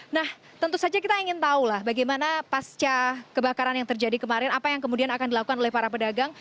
nah tentu saja kita ingin tahu lah bagaimana pasca kebakaran yang terjadi kemarin apa yang kemudian akan dilakukan oleh para pedagang